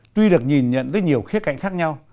tuy được nhìn nhận với nhiều khía cạnh khác nhau